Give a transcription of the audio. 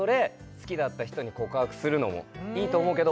「好きだった人に告白するのもいいと思うけど」